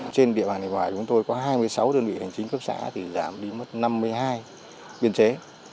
trên địa bàn hải ngoại chúng tôi có hai mươi sáu đơn vị hành chính cấp xã thì giảm đi mất năm mươi hai biên chế